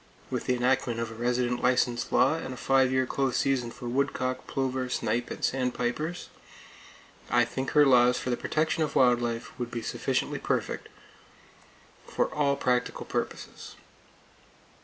With the enactment of a resident license law and a five year close season for woodcock, plover, snipe and sandpipers, I think her laws for the protection of wild life would be sufficiently perfect for all practical purposes.